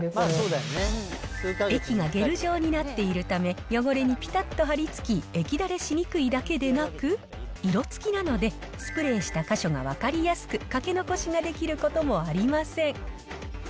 液がゲル状になっているため、汚れにぴたっと張り付き、液だれしにくいだけでなく、色つきなので、スプレーした箇所が分かりやすく、かけ残しができることもありません。